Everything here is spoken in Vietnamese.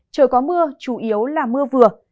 trời có mưa chủ yếu là mưa vừa